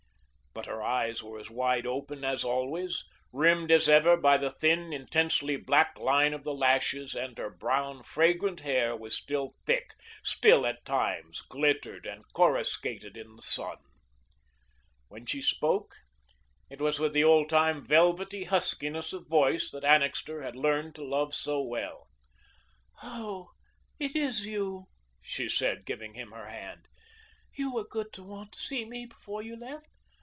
But her eyes were as wide open as always, rimmed as ever by the thin, intensely black line of the lashes and her brown, fragrant hair was still thick, still, at times, glittered and coruscated in the sun. When she spoke, it was with the old time velvety huskiness of voice that Annixter had learned to love so well. "Oh, it is you," she said, giving him her hand. "You were good to want to see me before you left.